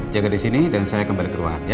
jaga disini dan saya kembali ke ruangan ya